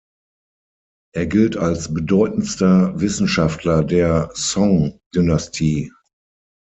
Er gilt als bedeutendster Wissenschaftler der Song-Dynastie.